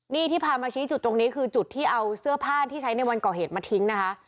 นี่ที่พามาชี้จุดตรงนี้คือจุดที่เอาเสื้อผ้าที่ใช้ในวันก่อเหตุมาทิ้งนะคะ